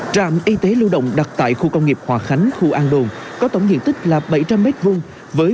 trạm y tế lưu động đặt tại khu công nghiệp hòa khánh khu an đồn có tổng diện tích là bảy trăm linh m hai với